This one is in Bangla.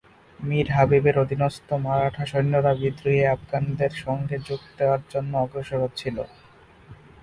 মীর হাবিবের অধীনস্থ মারাঠা সৈন্যরা বিদ্রোহী আফগানদের সঙ্গে যোগ দেয়ার জন্য অগ্রসর হচ্ছিল।